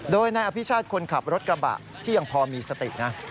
โดยนายอภิชาติคนขับรถกระบะที่ยังพอมีสตินะ